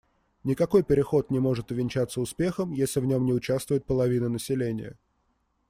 Никакой переход не может увенчаться успехом, если в нем не участвует половина населения.